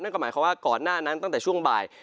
หมายความว่าก่อนหน้านั้นตั้งแต่ช่วงบ่าย